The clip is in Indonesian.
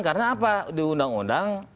karena apa di undang undang